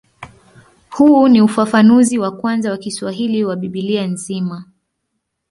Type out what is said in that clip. Huu ni ufafanuzi wa kwanza wa Kiswahili wa Biblia nzima.